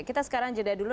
kita sekarang jeda dulu